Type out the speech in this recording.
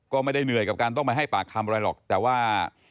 ก็ไม่ได้เหนื่อยกับการต้องไปให้ปากคำอะไรหรอกแต่ว่า